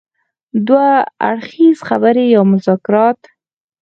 دوه اړخیزه خبرې يا مذاکرات.